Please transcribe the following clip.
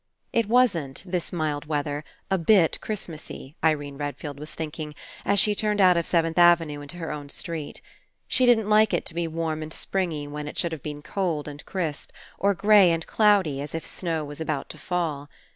It wasn't, this mild weather, a bit Christmasy, Irene Redfield was thinking, as she turned out of Seventh Avenue into her own street. She didn't like it to be warm and springy when it should have been cold and crisp, or grey and cloudy as if snow was about to fall.